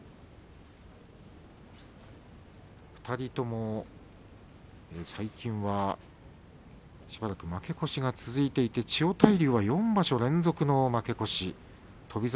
２人とも最近はしばらく負け越しが続いていて千代大龍は４場所連続の負け越しです。